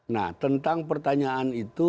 nah tentang pertanyaan itu